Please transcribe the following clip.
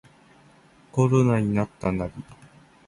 コロナになったナリ